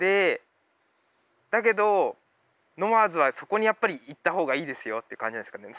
だけどノワーズはそこにやっぱり行った方がいいですよって感じなんですかね？